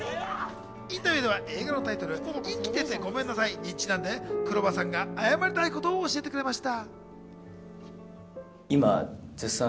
インタビューでは映画のタイトル『生きててごめんなさい』にちなんで、黒羽さんが謝りたいことを教えてくれました。